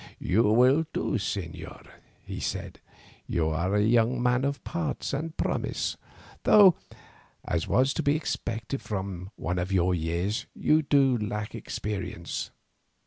"You will do, señor," he said; "you are a young man of parts and promise, though, as was to be expected from one of your years, you lack experience.